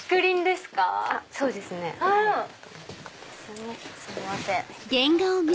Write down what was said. すみません。